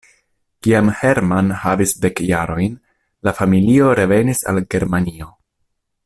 Kiam Hermann havis dek jarojn, la familio revenis al Germanio.